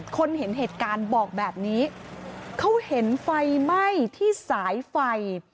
คนเห็นเหตุการณ์บอกแบบนี้เขาเห็นไฟไหม้ที่สายไฟ